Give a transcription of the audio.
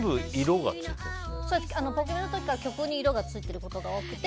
ポケビの時から曲に色がついてることが多くて。